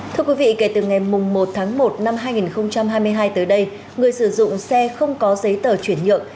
thưa quý vị kể từ ngày một tháng một năm hai nghìn hai mươi hai tới đây người sử dụng xe không có giấy tờ chuyển nhượng